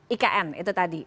ikn itu tadi